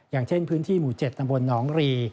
อย่างเช่นพื้นที่หมู่เจ็ดตะบลน้องรี